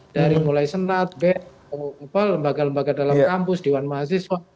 dari mulai senat lembaga lembaga dalam kampus diwan mahasiswa